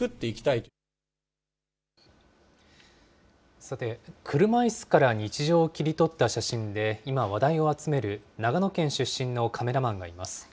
さて、車いすから日常を切り取った写真で、今、話題を集める長野県出身のカメラマンがいます。